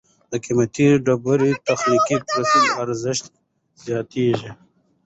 د قیمتي ډبرو تخنیکي پروسس ارزښت زیاتوي.